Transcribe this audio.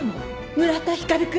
村田光くん。